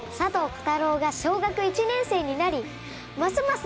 コタローが小学１年生になりますます